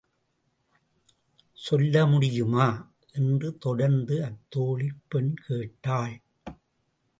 சொல்ல முடியுமா? என்று தொடர்ந்து அத்தோழிப் பெண் கேட்டாள்.